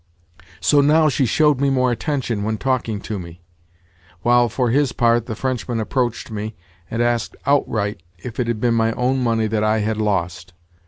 So now she showed me more attention when talking to me; while, for his part, the Frenchman approached me, and asked outright if it had been my own money that I had lost.